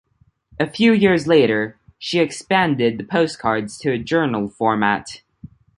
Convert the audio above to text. A few years later, she expanded the postcards to a journal format.